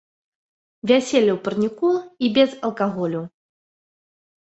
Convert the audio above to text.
Вяселле ў парніку і без алкаголю.